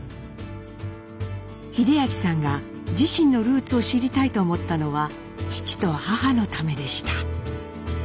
英明さんが自身のルーツを知りたいと思ったのは父と母のためでした。